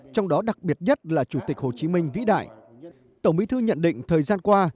trong đó đặc biệt nhất là chủ tịch hồ chí minh vĩ đại tổng bí thư nhận định thời gian qua